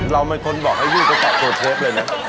เราเป็นคนบอกให้ยื่นก็ตอบโทรเทฟเลยน่ะ